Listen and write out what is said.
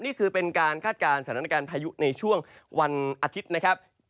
นี่คือเป็นการคาดการณ์สถานการณ์พายุในช่วงวันอาทิตย์นะครับ